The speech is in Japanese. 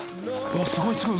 ［すごいすごい。